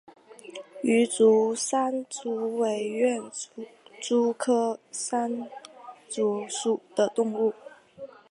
羽足扇蛛为园蛛科扇蛛属的动物。